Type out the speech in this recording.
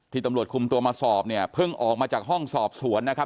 ตำรวจคุมตัวมาสอบเนี่ยเพิ่งออกมาจากห้องสอบสวนนะครับ